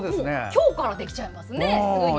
今日からできちゃいますね。